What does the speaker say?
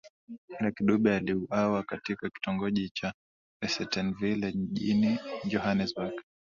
Lucky Dube aliuawa katika kitongoji cha Rosettenville mjini Johannesburg